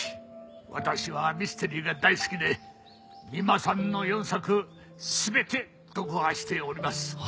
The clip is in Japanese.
私はミステリーが大好きで三馬さんの４作全て読破しております。